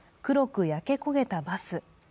黒く焼け焦げたバス。